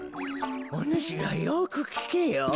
おぬしらよくきけよ。